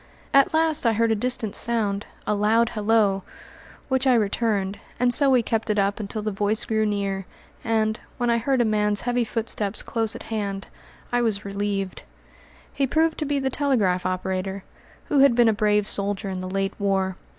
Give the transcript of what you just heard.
At last I heard a distant sound, a loud halloo, which I returned, and so we kept it up until the voice grew near, and, when I heard a man's heavy footsteps close at hand, I was relieved. He proved to be the telegraph operator, who had been a brave soldier in the late war.